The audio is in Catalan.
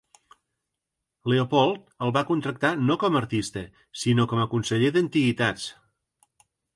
Leopold el va contractar no com a artista, sinó com a conseller d'antiguitats.